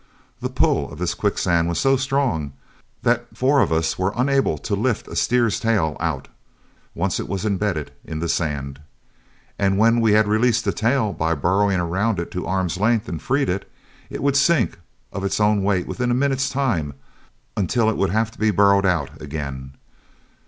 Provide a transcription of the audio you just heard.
The "pull" of this quicksand was so strong that four of us were unable to lift a steer's tail out, once it was imbedded in the sand. And when we had released a tail by burrowing around it to arm's length and freed it, it would sink of its own weight in a minute's time until it would have to be burrowed out again.